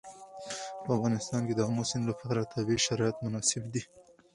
په افغانستان کې د آمو سیند لپاره طبیعي شرایط مناسب دي.